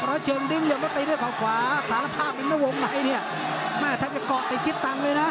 ร้อยเชิงดิ้งเหลือมาตีด้วยข้าวขวาสาธารณะท่าเป็นเมื่อวงไหนเนี่ยแม่ถ้าไปกรอกกับจิตตังเลยนะ